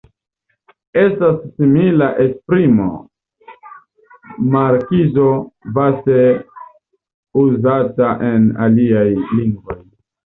Estas simila esprimo "markizo", vaste uzata en aliaj lingvoj.